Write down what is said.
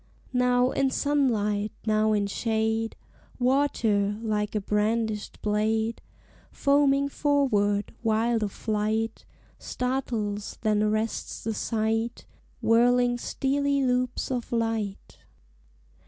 Now in sunlight, now in shade, Water, like a brandished blade, Foaming forward, wild of flight, Startles then arrests the sight, Whirling steely loops of light.